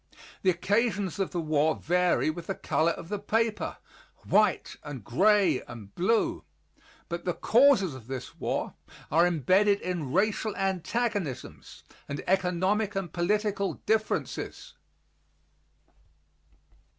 The occasions of the war vary, with the color of the paper "white" and "gray" and "blue" but the causes of this war are embedded in racial antagonisms and economic and political differences.